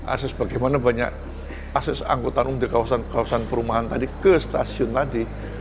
asas bagaimana banyak akses angkutan umum di kawasan kawasan perumahan tadi ke stasiun tadi